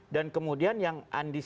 dan kemudian yang